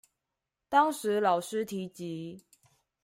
當時老師提及